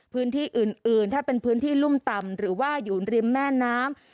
พื้นที่อื่นถ้าเป็นพื้นที่รุ่มต่ำหรือว่าอยู่ริมแม่น้ำ